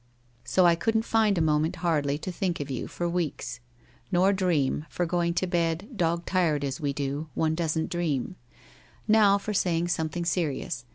So I couldn't find a moment hardly, to think of you, for weeks, nor dream, for going to led, dog tired as we do, one doesn't dream. * Now for saying something serious.